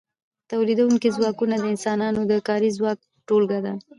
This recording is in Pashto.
تولیدونکي ځواکونه د انسانانو د کاري ځواک ټولګه ده.